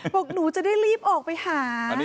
บอกหนูจะได้รีบออกไปหา